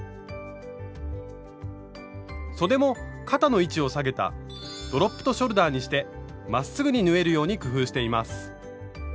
そでも肩の位置を下げた「ドロップトショルダー」にしてまっすぐに縫えるように工夫しています。